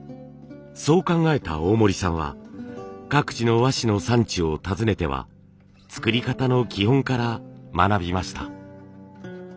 そう考えた大森さんは各地の和紙の産地を訪ねては作り方の基本から学びました。